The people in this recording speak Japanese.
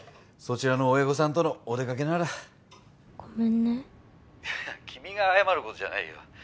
そちらの親御さんとのお出かけならごめんね☎いや君が謝ることじゃないよ